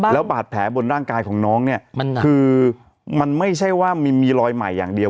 แล้วบาดแผลบนร่างกายของน้องเนี่ยคือมันไม่ใช่ว่ามีรอยใหม่อย่างเดียว